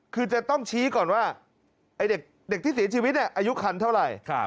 คือจะต้องชี้ก่อนว่าเด็กที่เสียชีวิตอายุคันเท่าไหร่